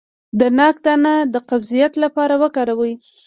د ناک دانه د قبضیت لپاره وکاروئ